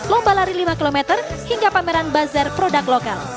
lomba lari lima km hingga pameran bazar produk lokal